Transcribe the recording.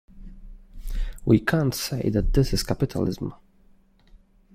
We can't say that this is capitalism.